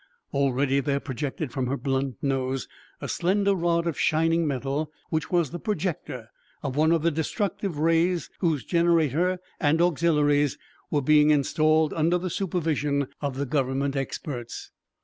Already there projected from her blunt nose a slender rod of shining metal which was the projector of one of the destructive rays whose generator and auxiliaries were being installed under the supervision of the government experts.